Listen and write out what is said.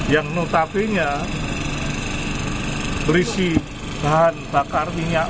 yang notabene nya berisi bahan bakar minyak